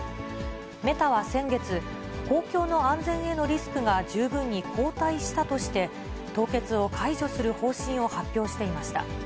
メタは先月、公共の安全へのリスクが十分に後退したとして、凍結を解除する方針を発表していました。